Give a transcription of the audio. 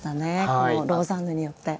このローザンヌによって。